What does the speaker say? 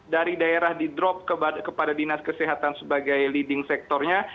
dari daerah di drop kepada dinas kesehatan sebagai leading sectornya